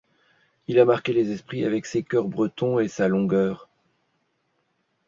Il a marqué les esprits avec ses chœurs bretons et sa longueur.